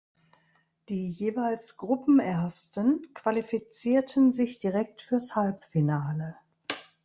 Die jeweils Gruppenersten qualifizierten sich direkt fürs Halbfinale.